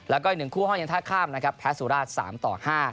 แล้วก็อีกหนึ่งคู่ห้องยังท่าข้ามนะครับแพ้สุราช๓๕